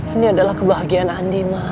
ini adalah kebahagiaan andi ma